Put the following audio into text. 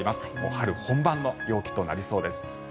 春本番の陽気となりそうです。